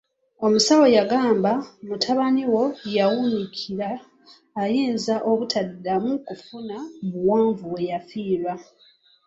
Omusawo yagamba; mutabani wo yawuniikirira ayinza obutaddamu kufuna buwanvu bwe yafiirwa.